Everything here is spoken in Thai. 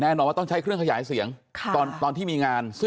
แน่นอนว่าต้องใช้เครื่องขยายเสียงตอนที่มีงาน